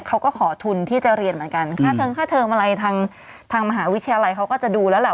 เขาก็ขอทุนที่จะเรียนเหมือนกันค่าเทิงค่าเทิมอะไรทางทางมหาวิทยาลัยเขาก็จะดูแล้วแหละ